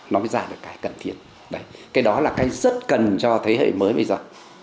nó mới ra được cái cần thiết cái đó là cái rất cần cho thế hệ mới bây giờ